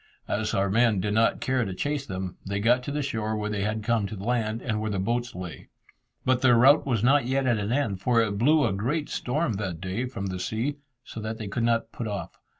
As our men did not care to chase them, they got to the shore where they had come to land and where the boats lay. But their rout was not yet at an end, for it blew a great storm that day from the sea, so that they could not put off.